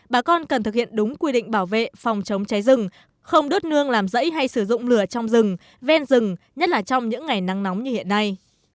bà con cần thực hiện đúng quy định bảo vệ phòng chống cháy rừng không đốt nương làm rẫy hay sử dụng lửa trong rừng ven rừng nhất là trong những ngày nắng nóng như hiện nay